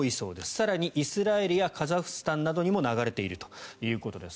更にイスラエルやカザフスタンなどにも流れているということです。